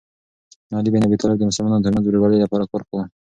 علي بن ابي طالب د مسلمانانو ترمنځ د ورورولۍ لپاره کار کاوه.